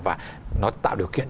và nó tạo điều kiện